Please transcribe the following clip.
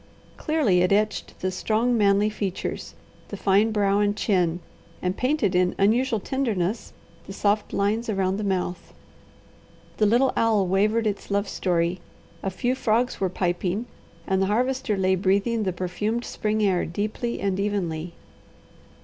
Clearly it etched the strong, manly features, the fine brow and chin, and painted in unusual tenderness the soft lines around the mouth. The little owl wavered its love story, a few frogs were piping, and the Harvester lay breathing the perfumed spring air deeply and evenly.